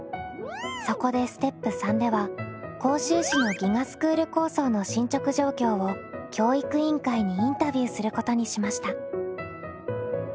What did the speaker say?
そこでステップ３では甲州市の「ＧＩＧＡスクール構想」の進捗状況を教育委員会にインタビューすることにしました。